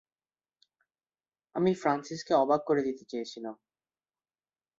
আমি ফ্রান্সিসকে অবাক করে দিতে চেয়েছিলাম।